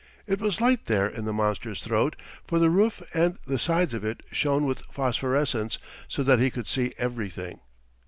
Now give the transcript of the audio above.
It was light there in the monster's throat, for the roof and the sides of it shone with phosphorescence so that he could see everything.